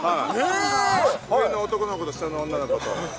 上の男の子と、下の女の子と。